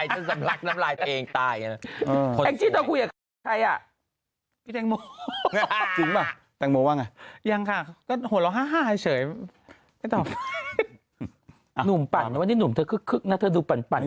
ใจอ่ะว่างั้นโหล่ห่ายเฉยนุ่มปั่นวันนี้หนูเธอคึกคึกนะเถอะดูปั่นปั่น